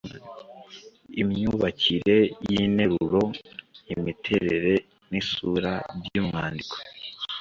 imyubakire y’interuro, imiterere n’isura by’umwandiko.